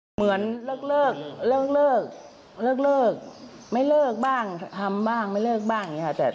เหมือนเลิกเลิกไม่เลิกบ้างทำบ้างไม่เลิกบ้างอย่างนี้ค่ะ